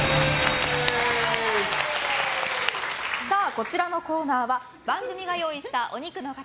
こちらのコーナーは番組が用意したお肉の塊